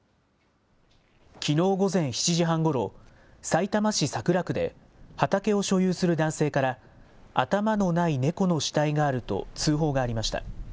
きのう午前７時半ごろ、さいたま市桜区で、畑を所有する男性から、頭のない猫の死体があると通報がありました。